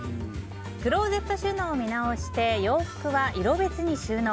クローゼット収納を見直して洋服は色別に収納。